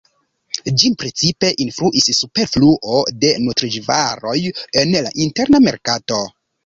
Ĝin precipe influis superfluo de nutraĵvaroj en la interna merkato.